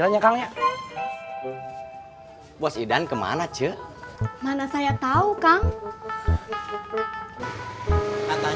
bisnisnya bos idan temen leda kang acek